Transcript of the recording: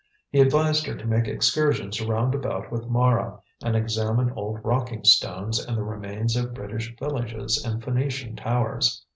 He advised her to make excursions round about with Mara, and examine old rocking stones and the remains of British villages and Phoenician towers.